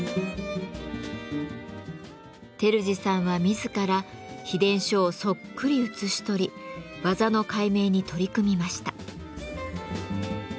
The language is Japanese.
照次さんは自ら秘伝書をそっくり写し取り技の解明に取り組みました。